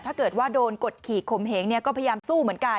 ถ้าเกิดว่าโดนกดขี่ขมเหงก็พยายามสู้เหมือนกัน